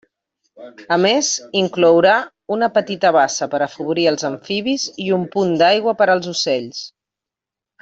A més, inclourà una petita bassa per afavorir els amfibis i un punt d'aigua per als ocells.